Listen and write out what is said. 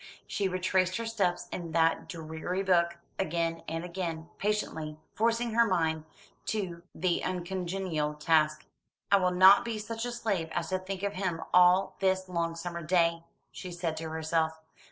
She retraced her steps in that dreary book, again and again, patiently, forcing her mind to the uncongenial task. "I will not be such a slave as to think of him all this long summer day," she said to herself.